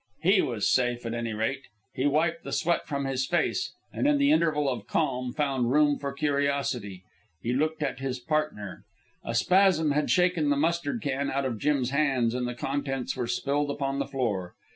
He was safe, at any rate. He wiped the sweat from his face, and, in the interval of calm, found room for curiosity. He looked at his partner. A spasm had shaken the mustard can out of Jim's hands, and the contents were spilled upon the floor.